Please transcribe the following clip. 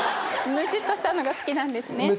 ムチっとしたのが好きなんですね。